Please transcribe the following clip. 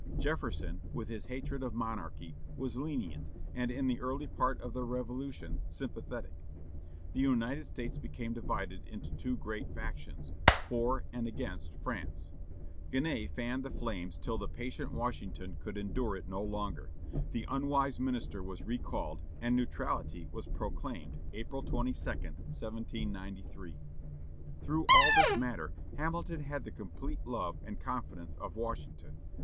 Jefferson, with his hatred of monarchy, was lenient, and, in the early part of the Revolution, sympathetic. The United States became divided into two great factions, for and against France. Genet fanned the flames till the patient Washington could endure it no longer; the unwise minister was recalled, and neutrality was proclaimed April 22, 1793. Through all this matter, Hamilton had the complete love and confidence of Washington.